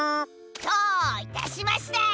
どーいたしました。